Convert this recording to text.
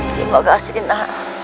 terima kasih nenek